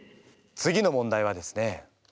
次の問題はですね